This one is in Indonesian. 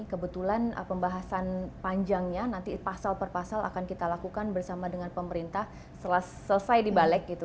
kebetulan pembahasan panjangnya nanti pasal per pasal akan kita lakukan bersama dengan pemerintah setelah selesai dibalik gitu